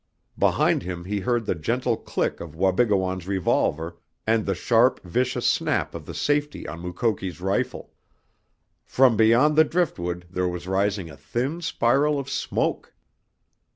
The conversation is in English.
Behind him he heard the gentle click of Wabigoon's revolver and the sharp, vicious snap of the safety on Mukoki's rifle. From beyond the driftwood there was rising a thin spiral of smoke!